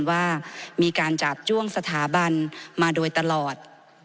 ว่ามีการจาบจ้วงสถาบันมาโดยตลอด